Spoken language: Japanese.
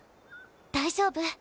大丈夫。